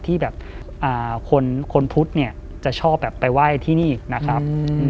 ที่คนพุธจะชอบไปไหว้ที่นี่นะครับ